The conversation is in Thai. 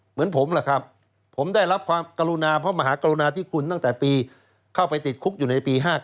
เหมือนผมล่ะครับผมได้รับความกรุณาพระมหากรุณาธิคุณตั้งแต่ปีเข้าไปติดคุกอยู่ในปี๕๙